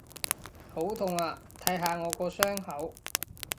好痛啊！睇下我個傷口！